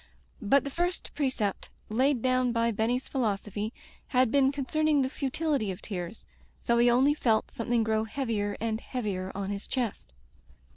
But the first precept laid down by Benny's philosophy had been con cerning the futility of tears, so he only felt something grow heavier and heavier on his chest.